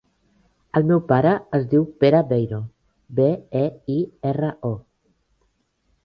El meu pare es diu Pere Beiro: be, e, i, erra, o.